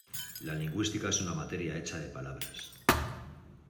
La lingüística es una materia hecha de palabras.